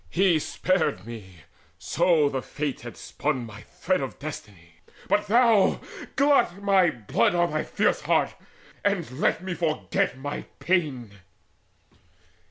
He spared me so the Fates had spun my thread Of destiny. But thou, glut with my blood Thy fierce heart, and let me forget my pain."